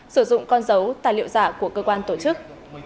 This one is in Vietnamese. sử dụng con dấu tài liệu giả của cơ quan tổ chức